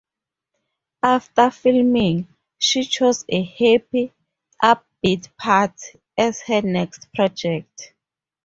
After filming, she chose a "happy, upbeat part" as her next project.